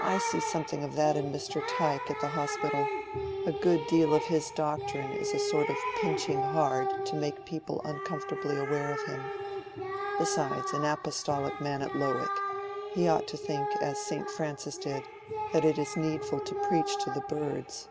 I see something of that in Mr. Tyke at the Hospital: a good deal of his doctrine is a sort of pinching hard to make people uncomfortably aware of him. Besides, an apostolic man at Lowick!—he ought to think, as St. Francis did, that it is needful to preach to the birds."